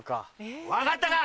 分かったか？